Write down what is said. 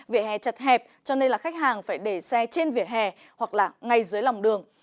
vỉa hè chật hẹp cho nên khách hàng phải để xe trên vỉa hè hoặc ngay dưới lòng đường